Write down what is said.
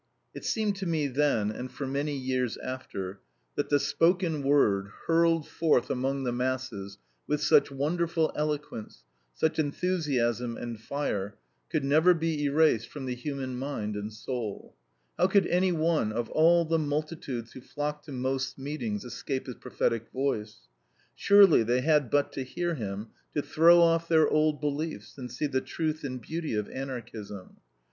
It seemed to me then, and for many years after, that the spoken word hurled forth among the masses with such wonderful eloquence, such enthusiasm and fire, could never be erased from the human mind and soul. How could any one of all the multitudes who flocked to Most's meetings escape his prophetic voice! Surely they had but to hear him to throw off their old beliefs, and see the truth and beauty of Anarchism!